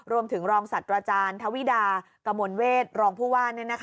รวมถึงรองสัตว์อาจารย์ธวิดากมวลเวทรองผู้ว่า